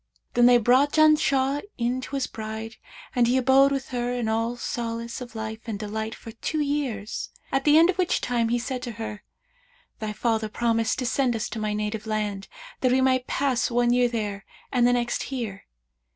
Then they brought Janshah in to his bride and he abode with her in all solace of life and delight for two years, at the end of which time he said to her, 'Thy father promised to send us to my native land, that we might pass one year there and the next here.'